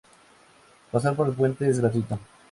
Pasar por el puente es gratuito.